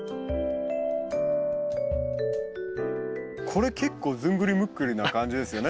これ結構ずんぐりむっくりな感じですよね。